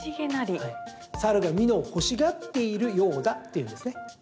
猿がみのを欲しがっているようだというんですね。